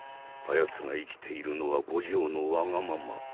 あやつが生きているのは五条のわがまま。